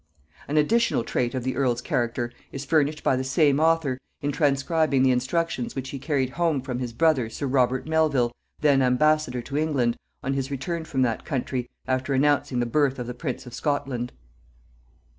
An additional trait of the earl's character is furnished by the same author, in transcribing the instructions which he carried home from his brother sir Robert Melvil, then ambassador to England, on his return from that country, after announcing the birth of the prince of Scotland.